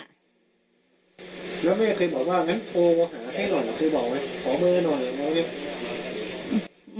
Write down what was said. แล้วเม่เคยบอกว่าแม่โทรมาหาให้หน่อยเคยบอกไหมขอเบอร์ให้หน่อย